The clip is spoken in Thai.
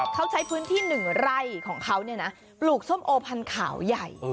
เขาใช้พื้นที่๑ไร่ของเขาปลูกส้มโอพันธุ์ใหญ่